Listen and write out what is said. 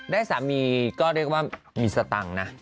ได้สามีก็เรียกว่ามีสตังค์นะ